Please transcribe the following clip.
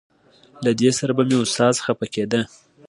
له دې سره به مې استاد خپه کېده.